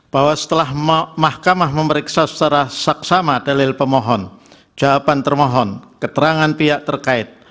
bahwa setelah mahkamah memeriksa secara saksama dalil pemohon jawaban termohon keterangan pihak terkait